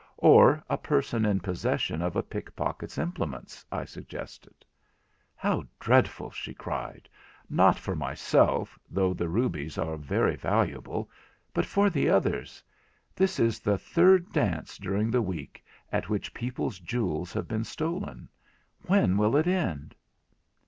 'Or a person in possession of a pickpocket's implements,' I suggested. 'How dreadful,' she cried, 'not for myself, though the rubies are very valuable, but for the others. This is the third dance during the week at which people's jewels have been stolen. When will it end?'